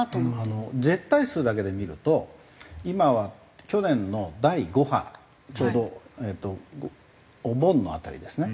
絶対数だけで見ると今は去年の第５波ちょうどお盆の辺りですね。